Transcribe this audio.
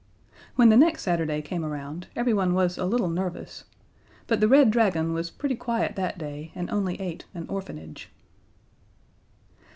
When the next Saturday came around everyone was a little nervous, but the Red Dragon was pretty quiet that day and only ate an Orphanage.